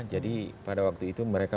jadi pada waktu itu mereka